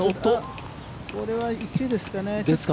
これは池ですかね。